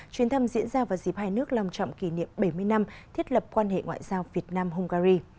chuyến thăm diễn ra vào dịp hai nước lòng trọng kỷ niệm bảy mươi năm thiết lập quan hệ ngoại giao việt nam hungary